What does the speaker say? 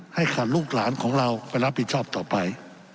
ให้ขาดลูกหลานของเราไปรับผิดชอบต่อไป